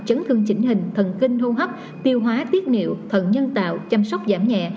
chấn thương chỉnh hình thần kinh hô hấp tiêu hóa tiết niệu thần nhân tạo chăm sóc giảm nhẹ